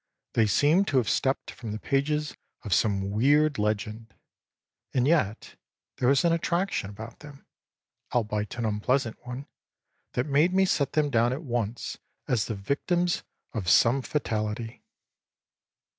They seemed to have stepped from the pages of some weird legend; and yet there was an attraction about them, albeit an unpleasant one, that made me set them down at once as the victims of some fatality.